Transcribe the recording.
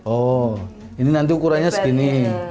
oh ini nanti ukurannya segini